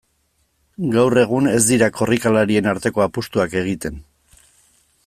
Gaur egun ez dira korrikalarien arteko apustuak egiten.